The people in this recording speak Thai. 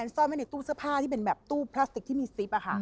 ซ่อนไว้ในตู้เสื้อพลาสติกที่มีซิบ